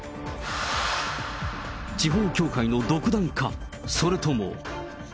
地方教会の独断か、それとも。